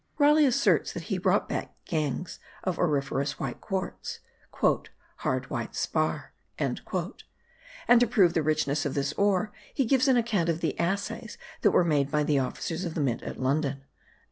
Raleigh asserts that he brought back gangues of auriferous white quartz ("harde white sparr"); and to prove the richness of this ore he gives an account of the assays that were made by the officers of the mint at London.